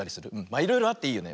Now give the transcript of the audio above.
いろいろあっていいよね。